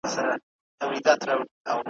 نصیب مي بیا پر هغه لاره آزمېیلی نه دی ,